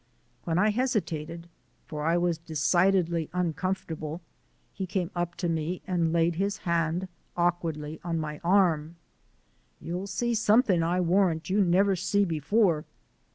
When I hesitated, for I was decidedly uncomfortable, he came up to me and laid his hand awkwardly on my arm. "You'll see something, I warrant, you never see before."